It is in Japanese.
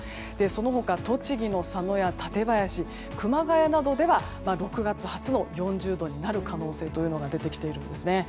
その他、栃木の佐野や舘林、熊谷などでは６月初の４０度になる可能性というのが出てきているんです。